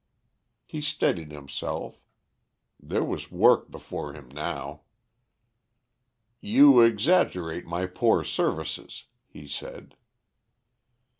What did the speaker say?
He steadied himself. There was work before him now. "You exaggerate my poor services," he said.